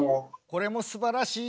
これもすばらしい。